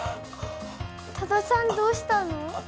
多田さんどうしたの？